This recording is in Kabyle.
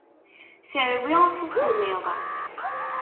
Terwi s usemmiḍ.